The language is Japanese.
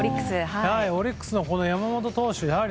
オリックスの山本投手。